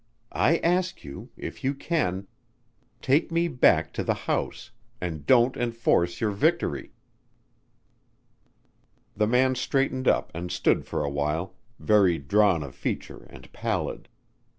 I ask you if you can take me back to the house and don't enforce your victory." The man straightened up and stood for a while, very drawn of feature and pallid.